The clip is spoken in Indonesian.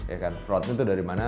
ya kan fraudnya itu dari mana